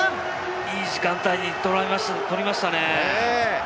いい時間帯にとりました